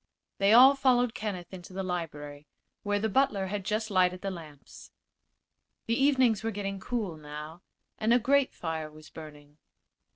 They all followed Kenneth into the library, where the butler had just lighted the lamps. The evenings were getting cool, now, and a grate fire was burning.